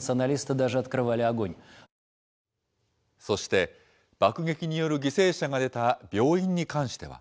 そして、爆撃による犠牲者が出た病院に関しては。